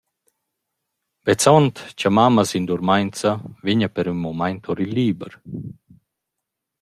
Vezzond cha mamma s’indurmainza, vegna per ün mumaint our il liber.